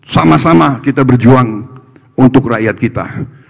sama sama kita berjuang untuk rakyat kita